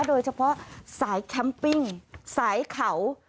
โดยเฉพาะสายแคมปิ้งสายเขา